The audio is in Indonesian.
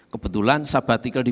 kebetulan sabbatikel di